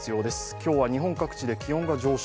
今日は日本各地で気温が上昇。